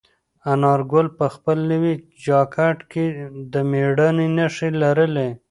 انارګل په خپل نوي جاکټ کې د مېړانې نښې لرلې.